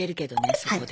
そこで。